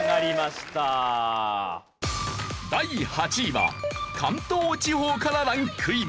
第８位は関東地方からランクイン。